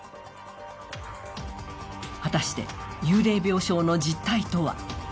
果たして、幽霊病床の実態とは。